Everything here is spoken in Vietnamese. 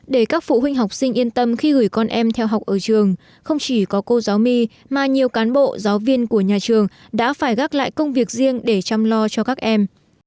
để các phụ huynh học sinh yên tâm khi gửi con em theo học ở trường không chỉ có cô giáo my mà nhiều cán bộ giáo viên của nhà trường đã phải gác lại công việc riêng để chăm lo cho các em